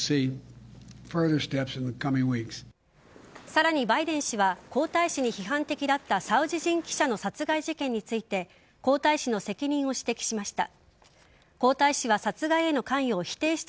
さらにバイデン氏は皇太子に批判的だったサウジ人記者の殺害事件について皇太子の責任を指摘しました。